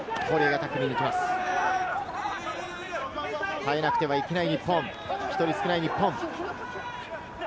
耐えなくてはいけない日本、１人少ない日本。